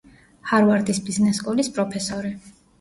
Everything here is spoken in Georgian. ჰარვარდის ბიზნეს სკოლის პროფესორი.